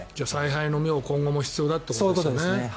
采配の目が今後も必要だということですね。